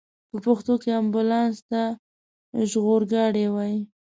په پښتو کې امبولانس ته ژغورګاډی وايي.